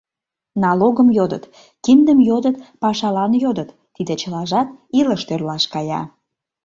Налогым йодыт, киндым йодыт пашалан йодыт — тиде чылажат илыш тӧрлаш кая.